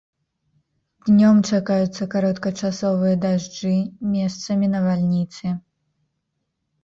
Днём чакаюцца кароткачасовыя дажджы, месцамі навальніцы.